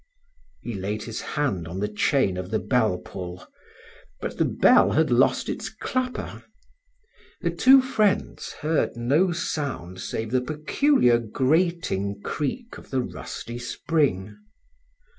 He laid his hand on the chain of the bell pull, but the bell had lost its clapper. The two friends heard no sound save the peculiar grating creak of the rusty spring.